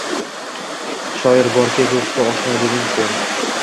Shoir borki, do‘stu oshno eding sen